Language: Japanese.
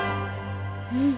うん。